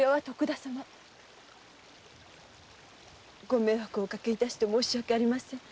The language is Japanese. ご迷惑をおかけして申し訳ありません。